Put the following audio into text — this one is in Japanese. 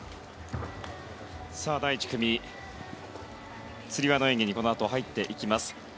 第１組、つり輪の演技にこのあと、入っていきます。